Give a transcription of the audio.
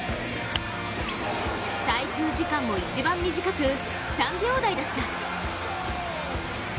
滞空時間も一番短く、３秒台だった。